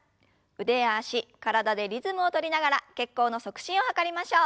腕や脚体でリズムを取りながら血行の促進を図りましょう。